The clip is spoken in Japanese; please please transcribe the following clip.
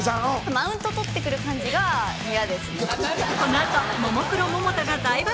マウント取って来る感じが嫌ですね。